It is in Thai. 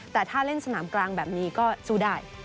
แต่ถ้าเล่นสนามกลางแบบนี้ก็สู้ได้